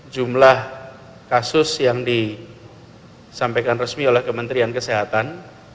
jumlah kasus yang disampaikan resmi oleh kementerian kesehatan